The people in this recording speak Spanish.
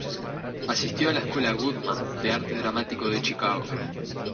Asistió a la Escuela Goodman de Arte Dramático de Chicago.